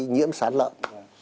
nhiễm sán lợn